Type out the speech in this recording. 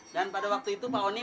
dan pada waktu itu pak onyek